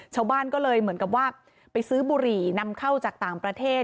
ชาวบ้านก็เลยเหมือนกับว่าไปซื้อบุหรี่นำเข้าจากต่างประเทศ